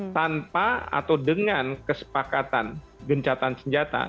tanpa atau dengan kesepakatan gencatan senjata